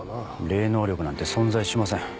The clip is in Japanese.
霊能力なんて存在しません。